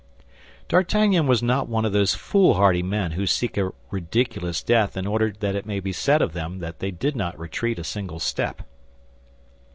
D'Artagnan was not one of those foolhardy men who seek a ridiculous death in order that it may be said of them that they did not retreat a single step.